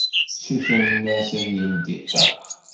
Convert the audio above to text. Sutrent-as ad yeldi ṭṭaq.